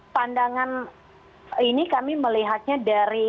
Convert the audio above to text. pandangan ini kami melihatnya dari apa ya